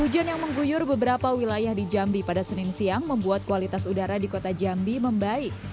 hujan yang mengguyur beberapa wilayah di jambi pada senin siang membuat kualitas udara di kota jambi membaik